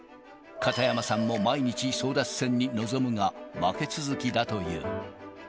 片山さんも毎日、争奪戦に臨むが、負け続きだという。